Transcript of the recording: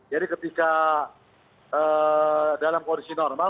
jadi ketika dalam kondisi normal